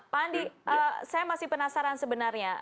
pak andi saya masih penasaran sebenarnya